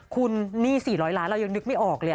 คุณหนี้๔๐๐ล้านเรายังนึกไม่ออกเลย